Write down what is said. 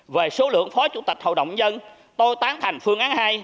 về số lượng phó chủ tịch hội đồng nhân dân tôi tán thành phương án hai